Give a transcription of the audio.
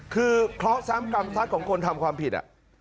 คือเคราะห์ซ้ำกรรมสัตว์ของคนทำความผิด